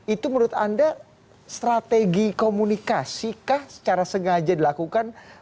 itu menurut anda strategi komunikasikah secara sengaja dilakukan